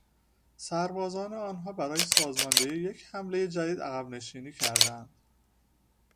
سربازان آنها برای سازماندهی به یک حملهی جدید عقبنشینی کردهاند.